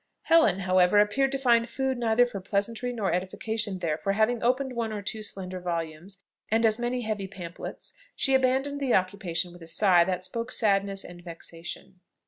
Helen, however, appeared to find food neither for pleasantry nor edification there; for having opened one or two slender volumes, and as many heavy pamphlets, she abandoned the occupation with a sigh, that spoke sadness and vexation.